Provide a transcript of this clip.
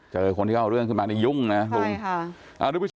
เจอคนที่เอาเรื่องขึ้นมานี่ยุ่งนะลุงค่ะ